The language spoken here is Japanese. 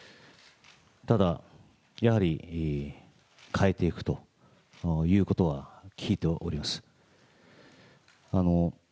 ただ、やはり変えていくということは聞いております。